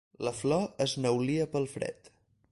La flor es neulia pel fred.